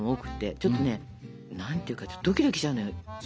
ちょっとね何ていうかちょっとドキドキしちゃうの。